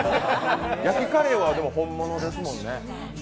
焼きカレーは本物ですもんね。